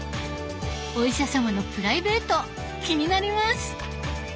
お医者様のプライベート気になります。